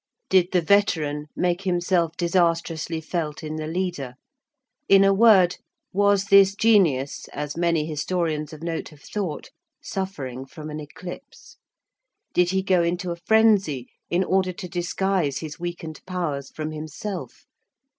Did the veteran make himself disastrously felt in the leader? In a word, was this genius, as many historians of note have thought, suffering from an eclipse? Did he go into a frenzy in order to disguise his weakened powers from himself?